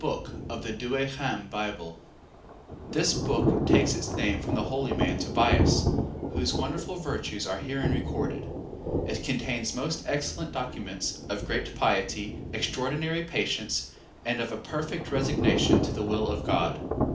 1749 1752 THE BOOK OF TOBIAS This Book takes its name from the holy man Tobias, whose wonderful virtues are herein recorded. It contains most excellent documents of great piety, extraordinary patience, and of a perfect resignation to the will of God.